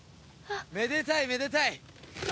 めでたいめでたい。